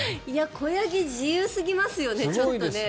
子ヤギ、自由すぎますよねちょっとね。